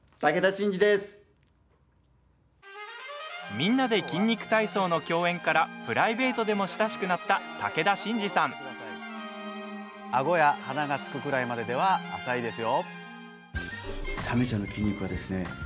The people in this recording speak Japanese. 「みんなで筋肉体操」の共演からプライベートでも親しくなったあごや、鼻がつくくらいまででは、浅いですよ。